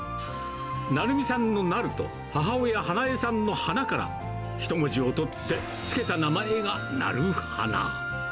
成美さんの成と、母親、花江さんの花から、１文字を取って付けた名前がなる花。